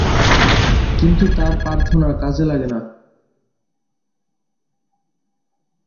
কিন্তু তার প্রার্থনা কাজে লাগেনা।